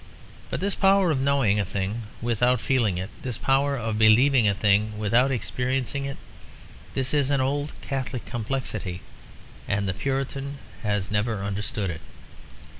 But this power of knowing a thing without feeling it, this power of believing a thing without experiencing it, this is an old Catholic complexity, and the Puritan has never understood it.